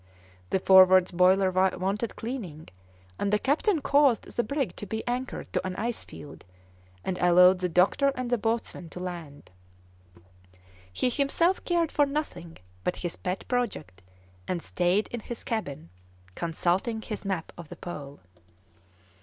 The Forward's boiler wanted cleaning, and the captain caused the brig to be anchored to an ice field, and allowed the doctor and the boatswain to land. He himself cared for nothing but his pet project, and stayed in his cabin, consulting his map of the Pole.